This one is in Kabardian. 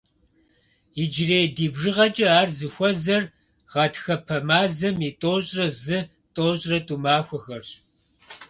Иджырей ди бжыгъэкӀэ ар зыхуэзэр гъатхэпэ мазэм и тӏощӏрэ зы-тӏощӏрэ тӏу махуэхэрщ.